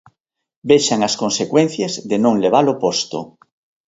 Vexan as consecuencias de non levalo posto.